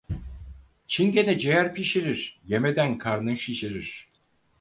Çingene ciğer pişirir, yemeden karnın şişirir.